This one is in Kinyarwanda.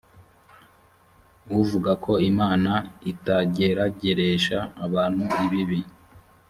uvuga ko imana itagerageresha abantu ibibi